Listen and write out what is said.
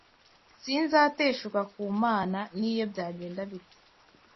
sinzateshuka ku mana niyo byagenda bite